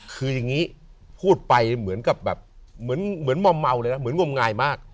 คืออย่างนี้พูดไปเหมือนกับแบบเหมือนมอมเมาเลยนะเหมือนงมงายมาก